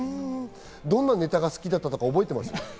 どんなネタが好きだったか覚えてます？